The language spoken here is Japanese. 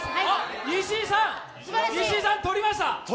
石井さん、取りました？